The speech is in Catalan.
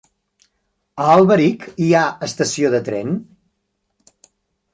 A Alberic hi ha estació de tren?